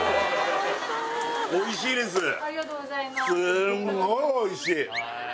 すんごいおいしい